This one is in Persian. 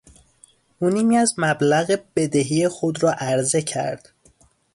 او نیمی از مبلغ بدهی خود را عرضه کرد.